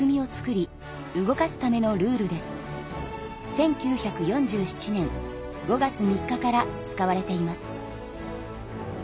１９４７年５月３日から使われています。